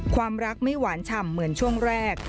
ความรักไม่หวานฉ่ำเหมือนช่วงแรก